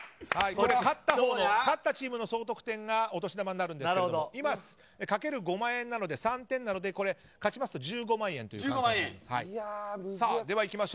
勝ったチームの総得点がお年玉になるんですけども今、かける５万円なので３点なので勝ちますと１５万円となります。